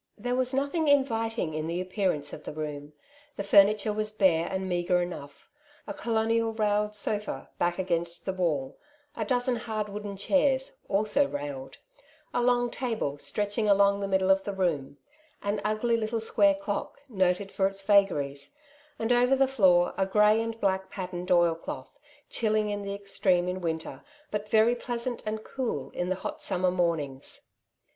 There was nothing inviting in the appearance of the room ; the furniture was bare and meagre enough — a colonial railed sofa, back against the wall, a dozen hard wooden chairs, also railed ; a long table, stretching along the middle of the room ; an ugly little square clock, noted for its vagaries ; and over the floor a grey and black patterned oil cloth, chilling in the extreme in winter, but very pleasant and cool in the hot summer mornings.